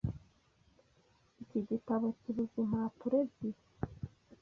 Iki gitabo kibuze impapuro ebyiri.